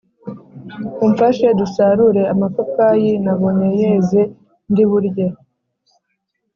umfashe dusarure amapapayi nabonye yeze ndi burye,